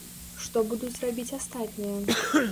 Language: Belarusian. Што будуць рабіць астатнія?